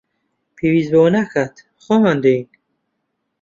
پێویست بەوە ناکات، خۆمان دێین